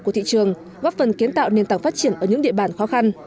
của thị trường góp phần kiến tạo nền tảng phát triển ở những địa bàn khó khăn